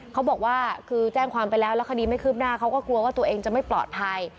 เขาบอกว่าคือแจ้งความไปแล้วแล้วคดีไม่คืบหน้าเขาก็กลัวว่าตัวเองจะไม่ปลอดภัย